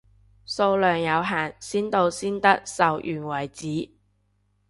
數量有限，先到先得，售完為止，